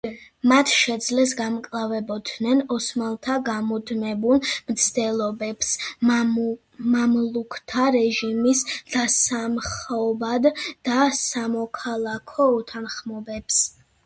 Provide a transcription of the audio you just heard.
მათ შეძლეს გამკლავებოდნენ ოსმალთა გამუდმებულ მცდელობებს მამლუქთა რეჟიმის დასამხობად და სამოქალაქო უთანხმოებებს.